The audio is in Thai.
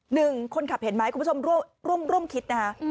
หนึ่งคนขับเห็นไหมคุณผู้ชมร่วมคิดนะคะ